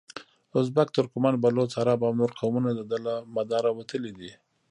ازبک، ترکمن، بلوڅ، عرب او نور قومونه دده له مداره وتلي دي.